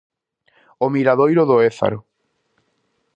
O miradoiro do Ézaro.